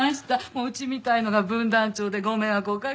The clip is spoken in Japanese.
うちみたいのが分団長でご迷惑をおかけします。